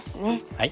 はい。